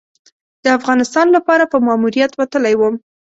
د افغانستان لپاره په ماموریت وتلی وم.